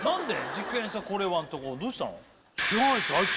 「事件さこれは」んとこどうしたの？